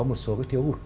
một số cái thiếu hụt